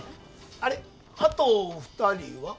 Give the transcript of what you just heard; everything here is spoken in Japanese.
あれあと２人は？